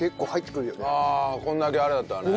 こんだけあれだったら。